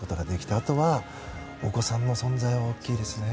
あとは、お子さんの存在は大きいですね。